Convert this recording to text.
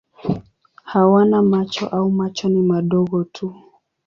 Hawana macho au macho ni madogo tu.